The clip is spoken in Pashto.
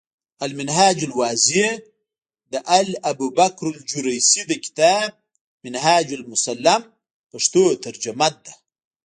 المنهاج الواضح، د الابوبکرالجريسي د کتاب “منهاج المسلم ” پښتو ترجمه ده ۔